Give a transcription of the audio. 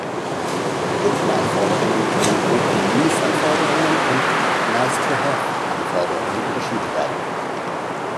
Kundenanforderungen können grob in Mindestanforderungen und "„Nice-to-have“"-Anforderungen unterschieden werden.